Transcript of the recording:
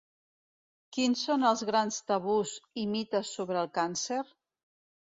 Quins són els grans tabús i mites sobre el càncer?